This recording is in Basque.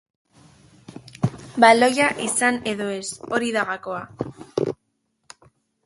Baloia izan edo ez, hori da gakoa.